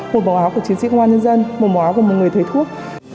một màu áo của chiến sĩ công an nhân dân màu áo của một người thầy thuốc